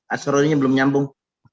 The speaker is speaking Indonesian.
asrori nya belum nyambung